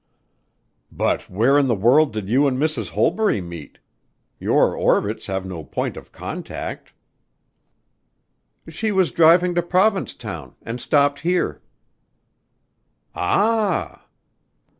"But where in the world did you and Mrs. Holbury meet? Your orbits have no points of contact." "She was driving to Provincetown and stopped here." "Ah!"